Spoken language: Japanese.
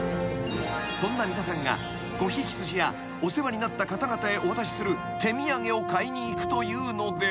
［そんな三田さんがごひいき筋やお世話になった方々へお渡しする手土産を買いに行くというので］